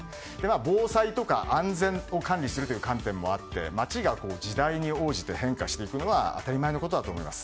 防災とか安全を管理するという観点もあって街が時代に応じて変化していくのは当たり前のことだと思います。